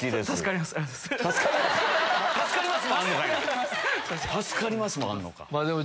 「助かります」もあんのかい。